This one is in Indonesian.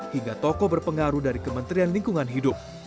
hingga tokoh berpengaruh dari kementerian lingkungan hidup